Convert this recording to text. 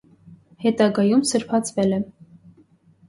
Հետագայում սրբացվել է։